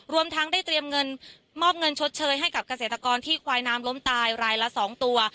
รวมทั้งได้เตรียมเงินมอบเงินชดเชยให้กับเกษตรกรที่ควายน้ำล้มตายรายละ๒ตัว